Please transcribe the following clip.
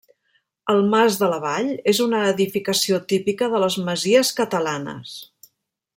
El mas de la Vall és una edificació típica de les masies catalanes.